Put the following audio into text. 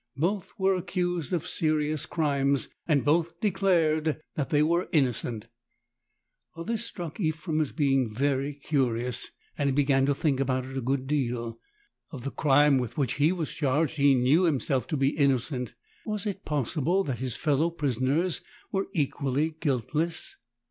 Both were accused of serious crimes, and both declared that they were innocent. This struck Ephrem as being very curious, and he began to think about it a good deal. Of the crime with which he was charged he knew himself to be innocent: was it possible that his fellow prisoners were equally guiltless?